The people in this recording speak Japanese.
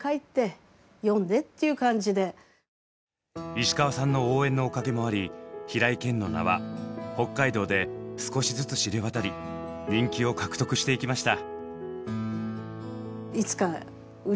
石川さんの応援のおかげもあり「平井堅」の名は北海道で少しずつ知れ渡り人気を獲得していきました。